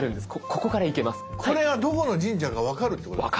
これがどこの神社か分かるってことですか？